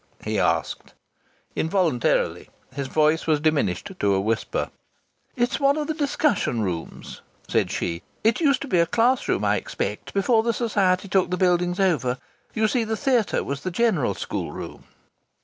he asked. Involuntarily his voice was diminished to a whisper. "It's one of the discussion rooms," said she. "It used to be a classroom, I expect, before the Society took the buildings over. You see the theatre was the general schoolroom."